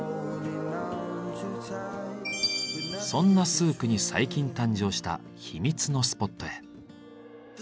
そんなスークに最近誕生した秘密のスポットへ。